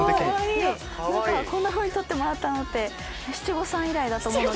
いや何かこんなふうに撮ってもらったのって七五三以来だと思うので。